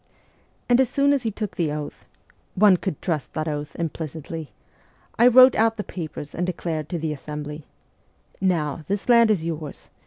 And as soon as he took the oath one could trust that oath implicitly I wrote out the papers and declared to the assembly :" Now, this land is yours.